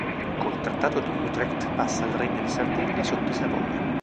Col Trattato di Utrecht passa al Regno di Sardegna sotto i Savoia.